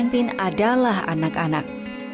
yang terkena oleh anak anak